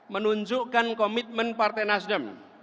menunjukkan komitmen partai nasdem